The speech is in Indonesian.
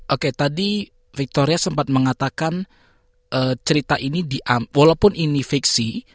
oke tadi victoria sempat mengatakan cerita ini walaupun ini fiksi